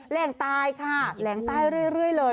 แรงตายค่ะแหลงใต้เรื่อยเลย